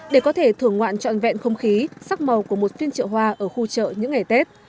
để có thể thưởng ngoạn trọn vẹn không khí sắc màu của một phiên chợ hoa ở khu chợ những ngày tết